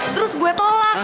terus gue tolak